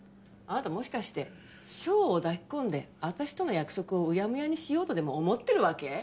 あなたもしかして翔を抱き込んで私との約束をうやむやにしようとでも思ってるわけ？